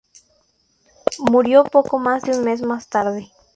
Murió poco más de un mes más tarde.